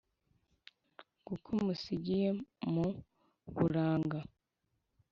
kuko musigiye mu buranga